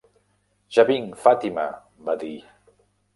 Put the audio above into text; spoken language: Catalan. "Ja vinc, Fàtima", va dir.